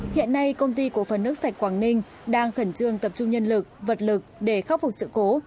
hiện nay công ty cổ phần nước sạch quảng ninh đang khẩn trương tập trung nhân lực vật lực để khắc phục sự cố